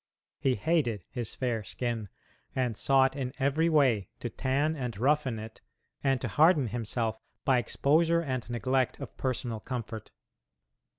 He hated his fair skin, and sought in every way to tan and roughen it, and to harden himself by exposure and neglect of personal comfort.